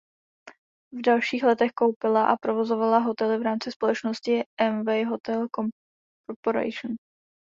V dalších letech koupila a provozovala hotely v rámci společnosti Amway Hotel Corporation.